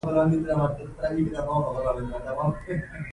ستاسو کار به بې ګټې پاتې نشي.